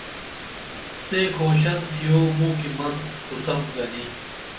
سے کُھوشن تِھیو موں کی مس پُھسم گنی